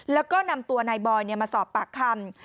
แล้วก็นำตัวนายบอยมาสอบปากคำ